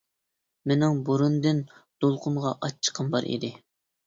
مىنىڭ بۇرۇندىن دولقۇنغا ئاچچىقىم بار ئىدى.